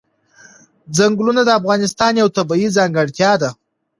ځنګلونه د افغانستان یوه طبیعي ځانګړتیا ده.